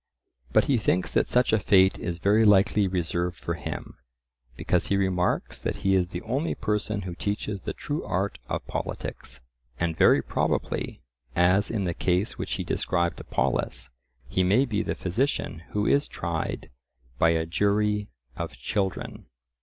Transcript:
But he thinks that such a fate is very likely reserved for him, because he remarks that he is the only person who teaches the true art of politics. And very probably, as in the case which he described to Polus, he may be the physician who is tried by a jury of children.